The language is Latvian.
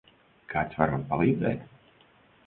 Kāds var man palīdzēt?